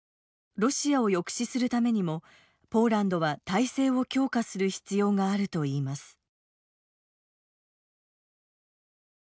ロシアを抑止するためにもポーランドは態勢を強化する必要があると言います。